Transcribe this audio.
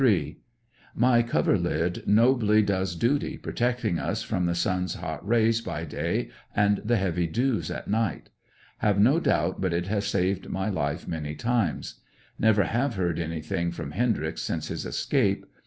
— My coverlid nobly does duty, protecting us from the sun's hot rays by day and the heavy dews at night. Have no doubt but it has saved my life many times. Never have heard anything from Hendry X since his escape.